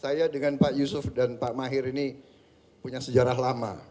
saya dengan pak yusuf dan pak mahir ini punya sejarah lama